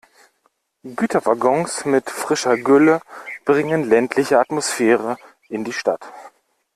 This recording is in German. Güterwaggons mit frischer Gülle bringen ländliche Atmosphäre in die Stadt.